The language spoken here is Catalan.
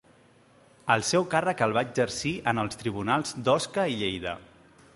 El seu càrrec el va exercir en els tribunals d'Osca i Lleida.